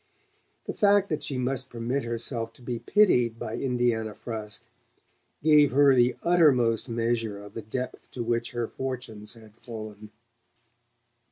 The fact that she must permit herself to be pitied by Indiana Frusk gave her the uttermost measure of the depth to which her fortunes had fallen.